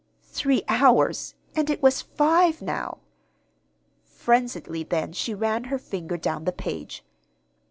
Three hours and it was five, now! Frenziedly, then, she ran her finger down the page.